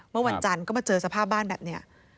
เมื่อวันจันทร์ก็มาเจอสภาพบ้านแบบนี้